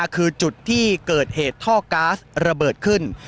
คือจุดที่เกิดเหตุท่อก๊าซระเบิดขึ้น